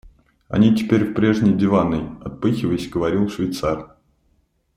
Они теперь в прежней диванной, — отпыхиваясь говорил швейцар.